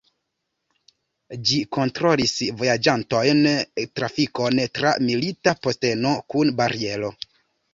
Ĝi kontrolis vojaĝantojn, trafikon tra milita posteno kun bariero.